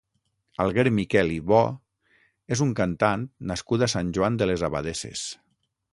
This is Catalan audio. Alguer Miquel i Bo és un cantant nascut a Sant Joan de les Abadesses.